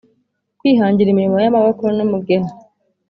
Kwihangira imirimo yamaboko numugeni